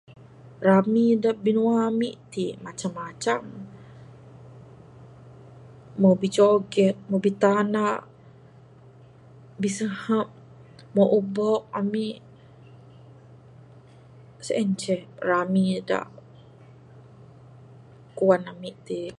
Rami da binua ami ti macam-macam. Mbuh bijoget, mbuh bitanda, bisehep, mbuh ubok ami. Sien ceh rami da kuan ami ti.